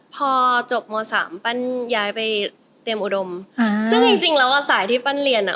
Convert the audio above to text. พอจบมสามปั้นย้ายไปเตรียมอุดมค่ะซึ่งจริงจริงแล้วอ่ะสายที่ปั้นเรียนอ่ะ